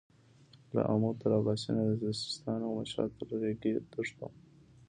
له امو تر اباسينه د سيستان او مشهد تر رېګي دښتو.